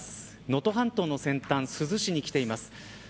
能登半島の先端珠洲市に来ています。